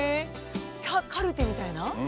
カルテみたいな？